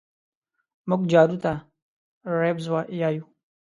مونږ جارو ته رېبز يايو